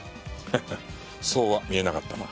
ハハッそうは見えなかったな。